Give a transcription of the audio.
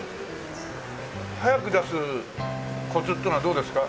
早く出すコツっていうのはどうですか？